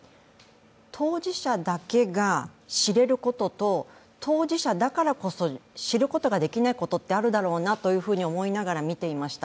当事者だけが知れることと、当事者だからこそ知ることができないことがあるだろうなと思いながら見ていました。